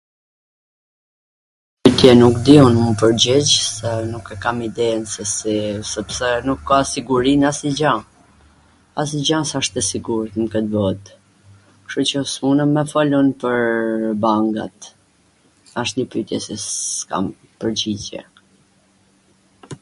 ktw gjw nuk di un m' u pwrgjigj se nuk e kam iden se si, sepse nuk ka siguri nw asnjw gja, asnjw gja nuk wsht e sigurt nw kwt bot, kshtu qw s' mundem me fol un pwr bangat, asht njw pytje qw s kam pwrgjigje